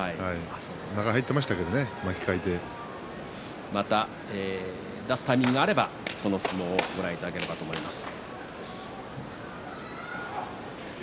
中に入っていましたけれどもね出すタイミングがあればこの相撲をご覧いただければと思います。